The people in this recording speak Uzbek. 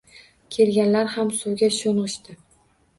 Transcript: Kelganlar ham suvga sho`ng`ishdi